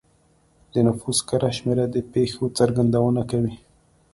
د نفوس کره شمېر د پېښو څرګندونه کوي.